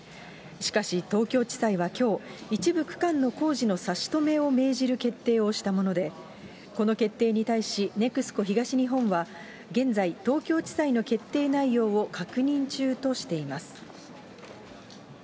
しかし、東京地裁はきょう、一部区間の工事の差し止めを命じる決定をしたもので、この決定に対し、ＮＥＸＣＯ東日本は、現在、東京地裁の決定内容を確認中としています。